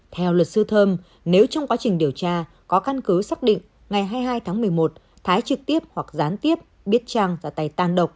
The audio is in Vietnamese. theo luật sư thơm nếu trong quá trình điều tra có căn cứ xác định ngày hai mươi hai tháng một mươi một thái trực tiếp hoặc gián tiếp biết trang ra tay tàn độc